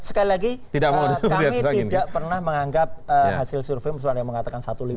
sekali lagi kami tidak pernah menganggap hasil survei yang mengatakan satu lima